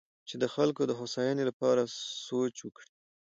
چې د خلکو د هوساینې لپاره سوچ وکړي.